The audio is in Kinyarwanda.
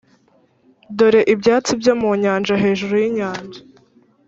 dore, ibyatsi byo mu nyanja hejuru yinyanja,